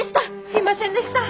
すいませんでした。